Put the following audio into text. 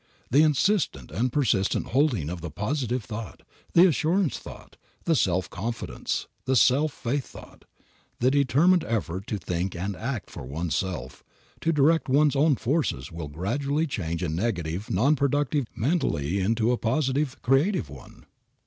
The insistent and persistent holding of the positive thought, the assurance thought, the self confidence, the self faith thought; the determined effort to think and act for oneself, to direct one's own forces will gradually change a negative non productive mentality into a positive, creative one.